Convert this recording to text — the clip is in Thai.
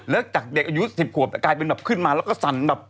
แล้วจากเด็กอายุ๑๐ขวบแต่กลายเป็นแบบขึ้นมาแล้วก็สั่นแบบ